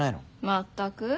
全く。